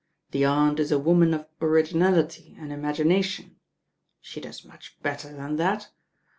The Aunt is a woman of originality and imagination. She does much better than that.